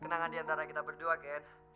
kenangan diantara kita berdua kan